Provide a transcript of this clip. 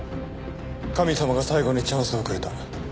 神様が最後にチャンスをくれた。